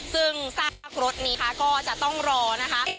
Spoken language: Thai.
ซึ่งซากพักรถนี้ค่ะก็จะต้องรอนะคะ